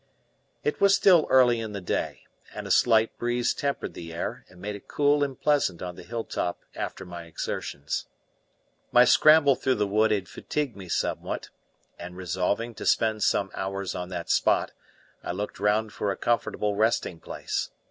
It was still early in the day, and a slight breeze tempered the air and made it cool and pleasant on the hilltop after my exertions. My scramble through the wood had fatigued me somewhat, and resolving to spend some hours on that spot, I looked round for a comfortable resting place.